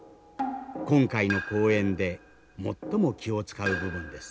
今回の公演で最も気を遣う部分です。